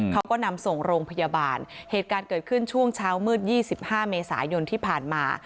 เขาก็นำส่งโรงพยาบาลเหตุการณ์เกิดขึ้นช่วงเช้ามืด๒๕เมษายนที่ผ่านมา